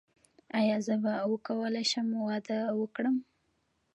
ایا زه به وکولی شم واده وکړم؟